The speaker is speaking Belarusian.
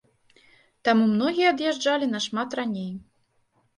Таму многія ад'язджалі нашмат раней.